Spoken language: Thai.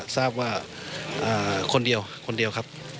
ทราบว่าคนเดียวคนเดียวครับ